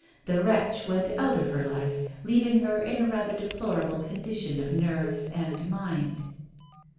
The wretch went out of her life, leaving her in a rather deplorable condition of nerves and mind.